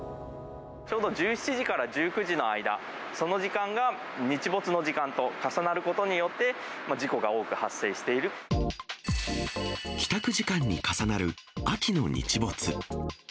ちょうど１７時から１９時の間、その時間が日没の時間と重なることによって、帰宅時間に重なる秋の日没。